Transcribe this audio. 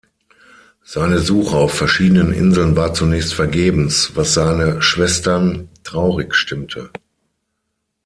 Seine Suche auf verschiedenen Inseln war zunächst vergebens, was seine Schwestern traurig stimmte.